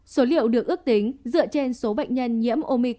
số liệu được ước tính dựa trên số bệnh nhân nhiễm omic